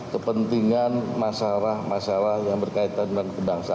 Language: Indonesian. kepentingan masyarakat yang berkaitan dengan kebangsaan